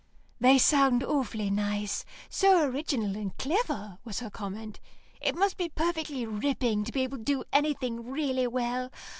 "They sound awfully nice. So original and clever," was her comment. "It must be perfectly ripping to be able to do anything really well.